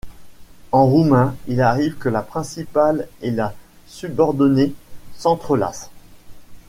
En roumain il arrive que la principale et la subordonnée s’entrelacent.